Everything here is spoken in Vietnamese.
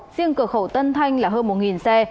riêng cửa khẩu tân thanh là hơn một xe